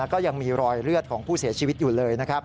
ก็ยังมีรอยเลือดของผู้เสียชีวิตอยู่เลยนะครับ